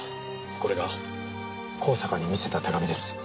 これが香坂に見せた手紙です。